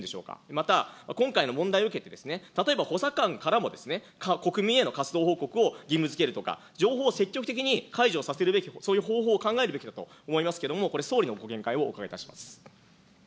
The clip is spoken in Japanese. また今回の問題を受けて、例えば補佐官からも国民への活動報告を義務づけるとか、情報を積極的に開示をさせるべき、そういう方法を考えるべきだと思いますけれども、これ、総理のご見解をお伺いいたします。